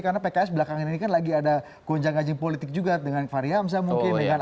karena pks belakangan ini kan lagi ada goncang gancing politik juga dengan fary hamzah mungkin